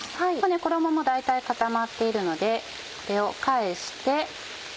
衣も大体固まっているのでこれを返して。